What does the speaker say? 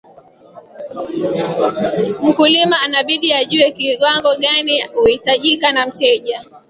Mkulima anabidi ajue kiwango gani uhitajika na mteja